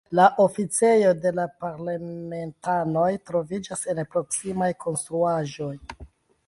La oficejoj de la parlamentanoj troviĝas en proksimaj konstruaĵoj.